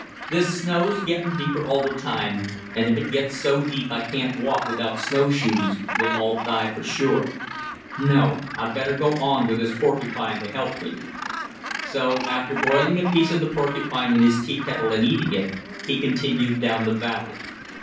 This snow's gettin' deeper all the time, and if it gets so deep I can't walk without snowshoes, we'll all die for sure. No, I'd better go on with this porcupine to help me." So after boiling a piece of the porcupine in his tea kettle and eating it, he continued down the valley.